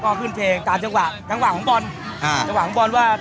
ก็ขึ้นเพลงตามจังหวะจังหวะของบอลอ่าจังหวะของบอลว่า